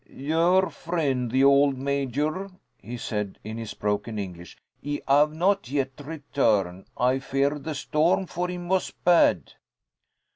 "Your friend, the old Major," he said, in his broken English, "he have not yet return. I fear the storm for him was bad."